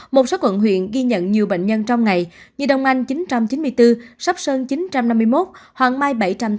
một số quận huyện ghi nhận nhiều bệnh nhân trong ngày như đông anh chín trăm chín mươi bốn sắp sơn chín trăm năm mươi một hoàng mai bảy trăm tám mươi